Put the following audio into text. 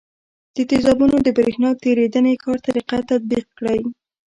د تیزابونو د برېښنا تیریدنې کار طریقه تطبیق کړئ.